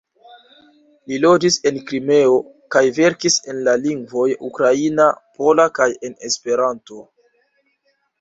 Li loĝis en Krimeo, kaj verkis en la lingvoj ukraina, pola kaj en Esperanto.